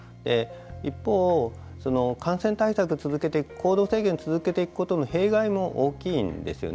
一方、感染対策を続けていく行動制限を続けていくことの弊害も大きいんですよね。